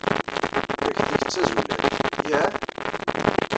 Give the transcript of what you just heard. Takti-nnek d tazulalt. Yah?